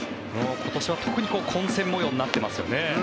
今年は特に混戦模様になっていますよね。